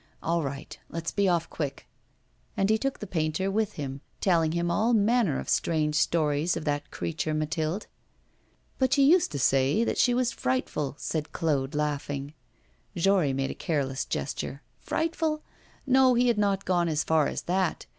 All right; let's be off, quick!' And he took the painter with him, telling him all manner of strange stories of that creature Mathilde. 'But you used to say that she was frightful,' said Claude, laughing. Jory made a careless gesture. Frightful? No, he had not gone as far as that.